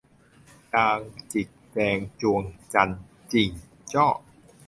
จางจิกแจงจวงจันน์ จิ่งจ้อ